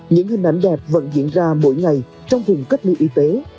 những hình ảnh đẹp vẫn diễn ra mỗi ngày trong vùng cách ly y tế